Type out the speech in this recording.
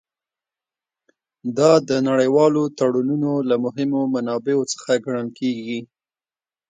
دا د نړیوالو تړونونو له مهمو منابعو څخه ګڼل کیږي